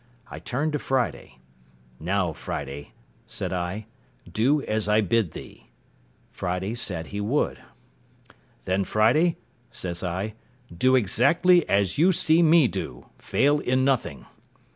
I turned to Friday. "Now, Friday," said I, "do as I bid thee." Friday said he would. "Then, Friday," says I, "do exactly as you see me do; fail in nothing."